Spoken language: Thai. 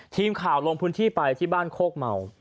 ทีมข่าวลงพื้นที่ไปที่บ้านโคกเมา